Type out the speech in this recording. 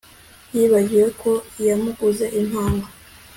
Yibagiwe ko yamuguze impano